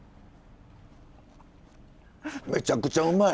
めちゃくちゃうまい。